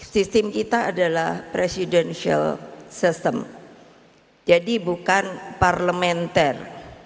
sistem kita adalah presidential system jadi bukan parlementer